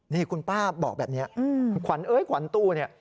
นี่คุณป้าบอกแบบนี้ขวัญเอ้ยขวัญตู้เนี่ย